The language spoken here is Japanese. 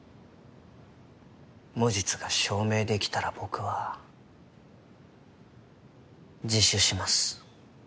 無実が証明できたら僕は自首します。